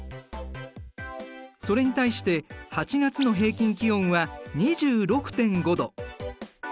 それに対して８月の平均気温は２６．５度。